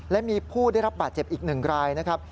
และมีผู้ได้รับบาดเจ็บอีก๑รายนะครับ